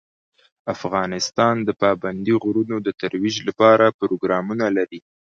افغانستان د پابندي غرونو د ترویج لپاره پروګرامونه لري.